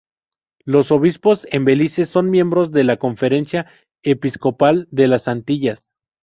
Los obispos en Belice son miembros de la Conferencia Episcopal de las Antillas.